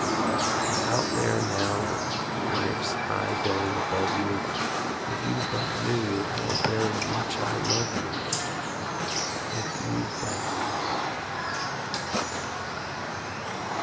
And out there now with life's high dome above you If you but knew how very much I love you If you but knew